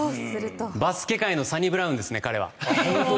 バスケ界のサニブラウンですね彼は。